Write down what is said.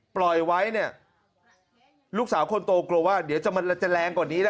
ปล่อยไว้เนี่ยลูกสาวคนโตกลัวว่าเดี๋ยวมันจะแรงกว่านี้นะ